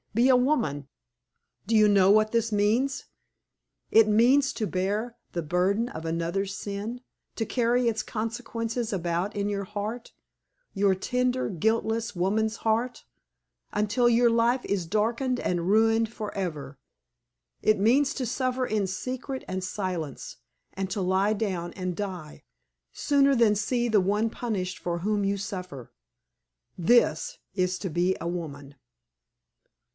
Be a woman. Do you know what that means? It means to bear the burden of another's sin; to carry its consequences about in your heart your tender, guiltless, woman's heart until your life is darkened and ruined forever. It means to suffer in secret and silence, and to lie down and die, sooner than see the one punished for whom you suffer. This is to be a woman.